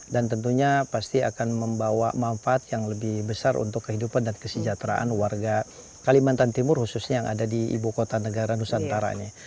dan tentunya pasti akan membawa manfaat yang lebih besar untuk kehidupan dan kesejahteraan warga kalimantan timur khususnya yang ada di ibu kota negara nusantara ini